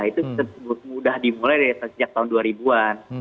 itu sudah dimulai dari sejak tahun dua ribu an